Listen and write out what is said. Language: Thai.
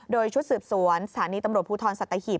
โดยชุดสืบสวนสถานีตำรวจภูทรสัตหีบ